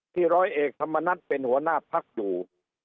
ร้อยเอกธรรมนัฏเป็นหัวหน้าพักอยู่